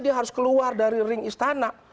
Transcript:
dia harus keluar dari ring istana